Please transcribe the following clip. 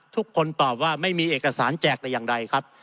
ทุกคนตอบว่าไม่มีเอกสารแจกแต่อย่างใดครับ